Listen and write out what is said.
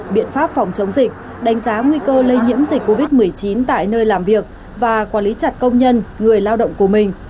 biện pháp phòng chống dịch đánh giá nguy cơ lây nhiễm dịch covid một mươi chín tại nơi làm việc và quản lý chặt công nhân người lao động của mình